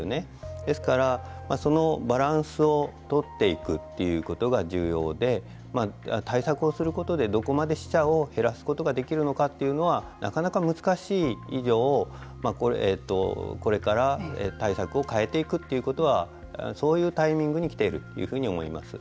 ですから、そのバランスを取っていくということが重要で対策をすることでどこまで死者を減らすことができるのかということはなかなか難しい以上これから対策を変えていくということはそういうタイミングに来ているというふうに思います。